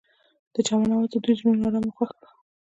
د چمن اواز د دوی زړونه ارامه او خوښ کړل.